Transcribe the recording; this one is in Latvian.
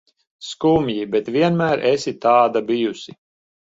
Skumji, bet vienmēr esi tāda bijusi.